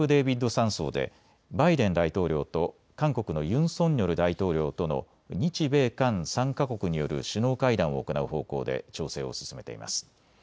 山荘でバイデン大統領と韓国のユン・ソンニョル大統領との日米韓３か国による首脳会談を行う方向で調整を進めています。